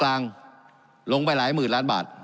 การปรับปรุงทางพื้นฐานสนามบิน